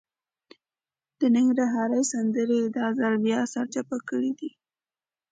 هغه ننګرهارۍ سندره یې دا ځل بیا سرچپه کړې ده.